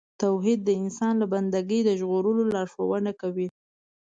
توحید د انسان له بندګۍ د ژغورلو لارښوونه کوي.